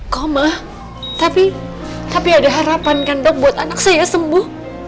koma tapi tapi ada harapan kan dok buat anak saya sembuh